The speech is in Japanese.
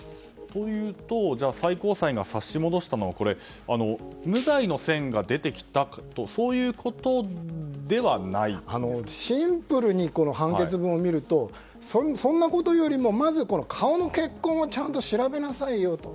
というと、最高裁が差し戻したのは無罪の線が出てきたシンプルにこの判決文を見るとそんなことよりも顔の血痕をちゃんと調べなさいよと。